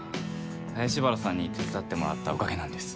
林原さんに手伝ってもらったおかげなんです。